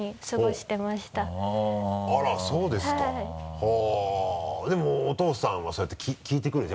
はぁでもお父さんはそうやって聞いてくるでしょ？